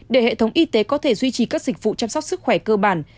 để hệ thống y tế có thể duy trì các dịch vụ chăm sóc sức khỏe cơ bản